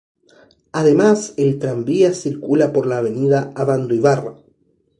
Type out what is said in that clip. Además, el tranvía circula por la avenida Abandoibarra.